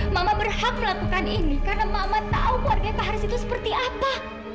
mama berhak melakukan ini karena mama tahu keluarga taharis itu seperti apa